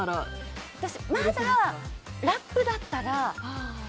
まだラップだったら。